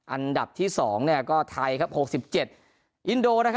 อันดับที่สองเนี่ยก็ไทยครับหกสิบเจ็ดอินโดนะครับ